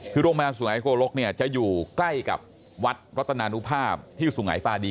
คือโรงพยาบาลสุงไหนกลกจะอยู่ใกล้กับวัดวัตนานุภาพที่สุงไหนปลาดี